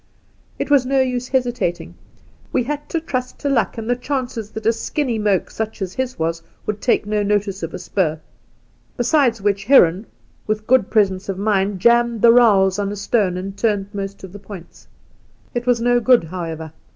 It was no use hesitating — we had to trust to luck and the chances that a skinny moke such as his was would take no notice of a spur ; besides which Heron, with good presence of mind, jammed the rowels on a stone and turned most of the points. It was no good, however.